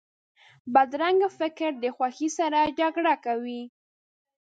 بدرنګه فکر د خوښۍ سره جګړه کوي